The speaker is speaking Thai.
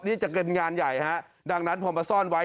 นี่จะเป็นงานใหญ่ฮะดังนั้นพอมาซ่อนไว้